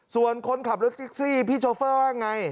ส่วนคนขับรถแท็กซี่พี่โชเฟอร์ว่าไง